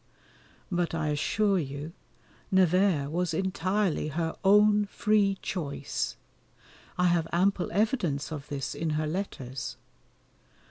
But, I assure you, Nevers was entirely her own free choice: I have ample evidence of this in her letters.